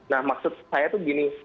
nah maksud saya tuh gini